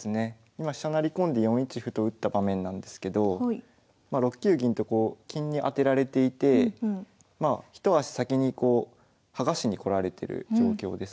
今飛車成り込んで４一歩と打った場面なんですけどまあ６九銀とこう金に当てられていて一足先に剥がしにこられてる状況ですね。